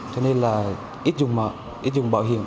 cho nên là ít dùng bảo hiểm